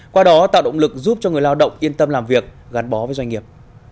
qua đó tạo động lực giúp cho người lao động yên tâm làm việc gắn bó với doanh nghiệp